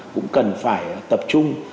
cũng cần phải tập trung